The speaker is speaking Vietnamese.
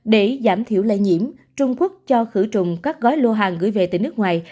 để giảm thiểu lây nhiễm trung quốc cho khử trùng các gói lô hàng gửi về từ nước ngoài